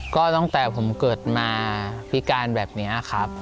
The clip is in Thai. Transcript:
ก็ตั้งแต่ผมเกิดมาพิการแบบนี้ครับ